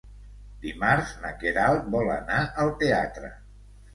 Dimarts na Queralt vol anar al teatre.